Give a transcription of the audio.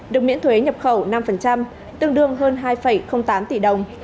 được miễn thuế nhập khẩu năm tương đương hơn hai tám tỷ đồng